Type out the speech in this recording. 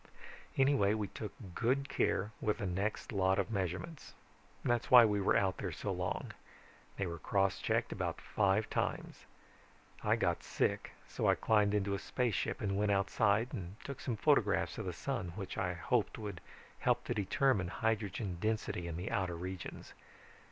"Anyway, we took good care with the next lot of measurements. That's why we were out there so long. They were cross checked about five times. I got sick so I climbed into a spacesuit and went outside and took some photographs of the Sun which I hoped would help to determine hydrogen density in the outer regions.